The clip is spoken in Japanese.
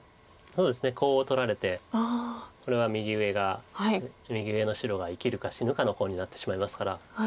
そうですねコウを取られてこれは右上の白が生きるか死ぬかのコウになってしまいますから。